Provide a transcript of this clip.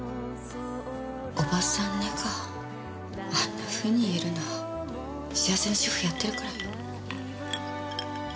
「オバサンね」かあんなふうに言えるのは幸せな主婦やってるからよ。